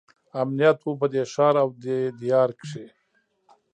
امنیت وو په دې ښار او دې دیار کې.